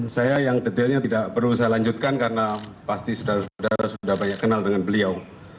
saya yang detailnya tidak perlu saya lanjutkan karena pasti saudara sudah banyak kenal dengan beliau